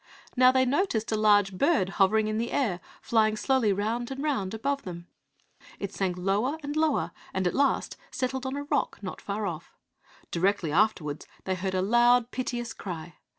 Now they noticed a large bird hovering in the air, flying slowly round and round above them; it sank lower and lower, and at last settled near a rock not far off. Directly afterwards they heard a loud, piteous cry.